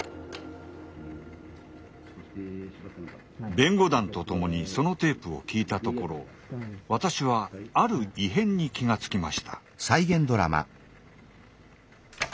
弁護団と共にそのテープを聴いたところ私はある異変に気が付きました。